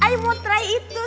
i mau try itu